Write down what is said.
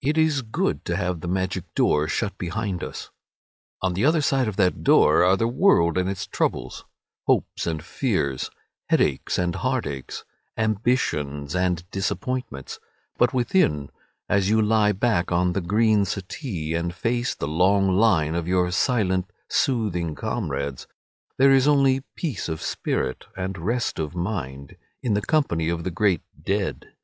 VII. It is good to have the magic door shut behind us. On the other side of that door are the world and its troubles, hopes and fears, headaches and heartaches, ambitions and disappointments; but within, as you lie back on the green settee, and face the long lines of your silent soothing comrades, there is only peace of spirit and rest of mind in the company of the great dead.